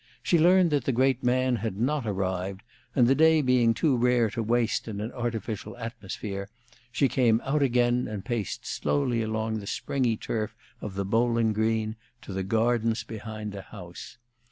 she learned that the great man had not arrived, and the day being too rare to waste in an artificial atmosphere, she came out again and paced slowly along the springy turf of the bowling green to the gardens behind the house.